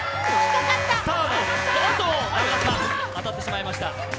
当たってしまいました。